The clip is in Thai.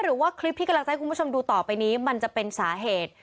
หรือว่าคลิปที่กำลังจะให้คุณผู้ชมดูต่อไปนี้มันจะเป็นสาเหตุ